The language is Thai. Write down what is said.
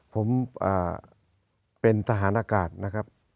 ผมเป็นทหารอากาศนะครับ